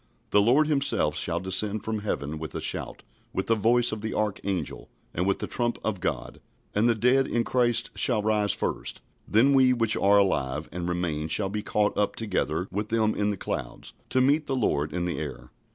"The Lord himself shall descend from heaven with a shout, with the voice of the archangel, and with the trump of God: and the dead in Christ shall rise first: then we which are alive and remain shall be caught up together with them in the clouds, to meet the Lord in the air."